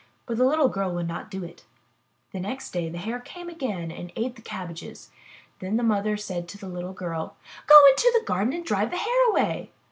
But the little girl would not do it. The next day the Hare came again and ate the cabbages. Then said the mother to the little girl: Go into the garden and drive the Hare away."